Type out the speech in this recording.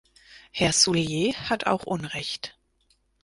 Herr Soulier hat auch unrecht.